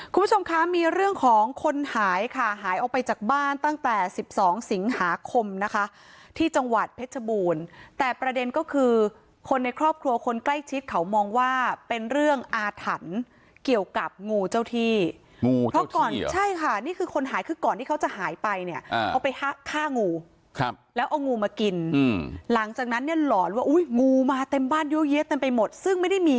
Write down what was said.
คุณผู้ชมคะมีเรื่องของคนหายค่ะหายออกไปจากบ้านตั้งแต่สิบสองสิงหาคมนะคะที่จังหวัดเพชรบูรณ์แต่ประเด็นก็คือคนในครอบครัวคนใกล้ชิดเขามองว่าเป็นเรื่องอาถรรพ์เกี่ยวกับงูเจ้าที่งูเพราะก่อนใช่ค่ะนี่คือคนหายคือก่อนที่เขาจะหายไปเนี่ยเขาไปฆ่างูครับแล้วเอางูมากินหลังจากนั้นเนี่ยหลอนว่าอุ้ยงูมาเต็มบ้านเยอะแยะเต็มไปหมดซึ่งไม่ได้มี